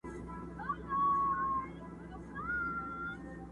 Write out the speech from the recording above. چي په ښار او په مالت کي څه تیریږي!.!